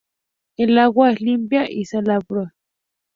El agua es limpia y salobre.